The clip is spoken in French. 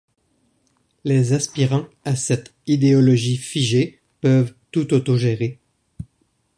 Les participants à cette idéologie figée peuvent tout autogérer